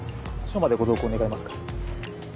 署までご同行願えますか？